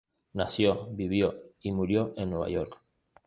Nació, vivió y murió en Nueva York.